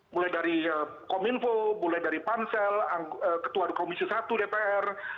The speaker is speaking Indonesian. mulai dari kominfo mulai dari pansel ketua komisi satu dpr